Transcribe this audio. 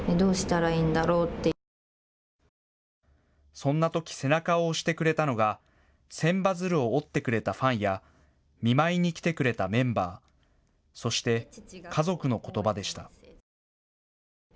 そんなとき背中を押してくれたのが千羽鶴を折ってくれたファンや見舞いに来てくれたメンバー、そして家族のことばでした。